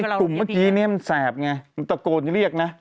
กลุ่มเมื่อกี้เนี่ยมันแสบไงมันตะโกนเรียกนะ